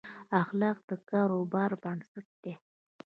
اخلاق د کاروبار بنسټ دي.